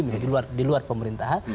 menjadi diluar pemerintahan